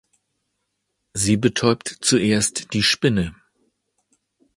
Sie betäubt zuerst die Spinne.